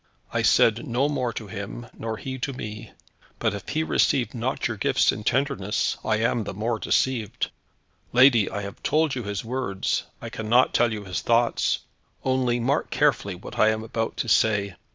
I said no more to him, nor he to me; but if he received not your gifts in tenderness, I am the more deceived. Lady, I have told you his words: I cannot tell you his thoughts. Only, mark carefully what I am about to say.